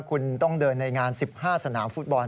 คุณต้องเดินในงาน๑๕สนามฟุตบอล